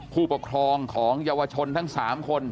ผู้ปกครองของเยาวชนทั้ง๓คน